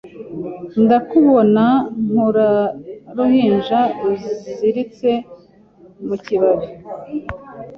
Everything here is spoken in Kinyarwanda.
Ndakubona nkuruhinja ruziritse mu kibabi